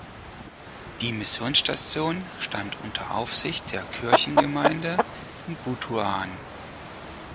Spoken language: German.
Die Missionsstation stand unter Aufsicht der Kirchengemeinde in Butuan.